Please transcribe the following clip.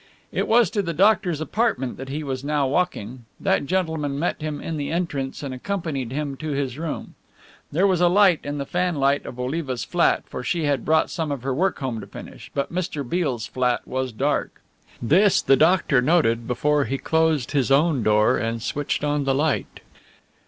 It was to the doctor's apartment that he was now walking. That gentleman met him in the entrance and accompanied him to his room. There was a light in the fanlight of Oliva's flat, for she had brought some of her work home to finish, but Mr. Beale's flat was dark. This the doctor noted before he closed his own door, and switched on the light.